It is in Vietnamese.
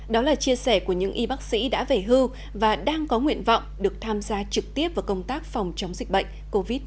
đó là chia sẻ của những y bác sĩ đã về hưu và đang có nguyện vọng được tham gia trực tiếp vào công tác phòng chống dịch bệnh covid một mươi chín